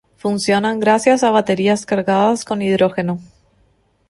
Funcionan gracias a baterías cargadas con hidrógeno.